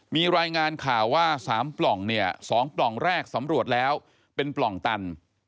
มีรายงานข่าวว่า๓ปล่องเนี่ย๒ปล่องแรกสำรวจแล้วเป็นปล่องตัน